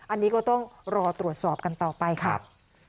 อันนี้ก็ต้องรอตรวจสอบกันต่อไปครับ